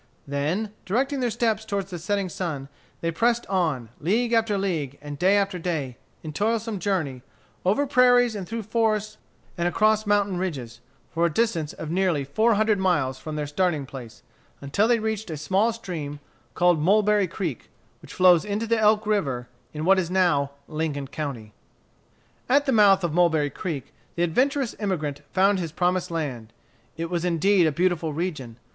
Then, directing their steps toward the setting sun, they pressed on, league after league, and day after day, in toilsome journey, over prairies and through forests and across mountain ridges, for a distance of nearly four hundred miles from their starting place, until they reached a small stream, called Mulberry Creek which flows into the Elk River, in what is now Lincoln County. At the mouth of Mulberry Creek the adventurous emigrant found his promised land. It was indeed a beautiful region.